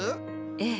ええ。